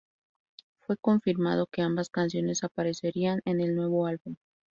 Fue confirmado que ambas canciones aparecerían en el nuevo álbum.